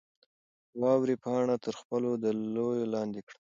واورې پاڼه تر خپلو دلیو لاندې کړه.